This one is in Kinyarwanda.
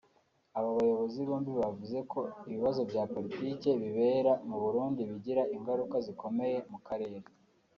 Aba bayobozi bombi bavuze ko ibibazo bya Politike bibera mu Burundi bigira ingaruka zikomeye mu karere